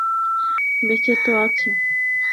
বেঁচে তো আছি।